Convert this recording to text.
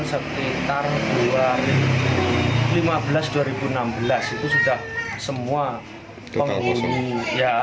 sekitar dua ribu lima belas dua ribu enam belas itu sudah semua pengungsi ya